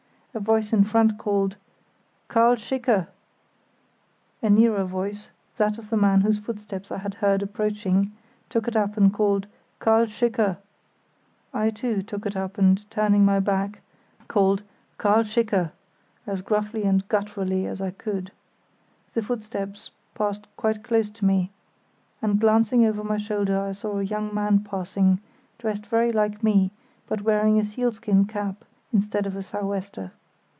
A voice in front called, "Karl Schicker"; a nearer voice, that of the man whose footsteps I had heard approaching, took it up and called "Karl Schicker": I, too, took it up, and, turning my back, called "Karl Schicker" as gruffly and gutturally as I could. The footsteps passed quite close to me, and glancing over my shoulder I saw a young man passing, dressed very like me, but wearing a sealskin cap instead of a sou' wester.